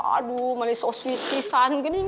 aduh malah sangat manis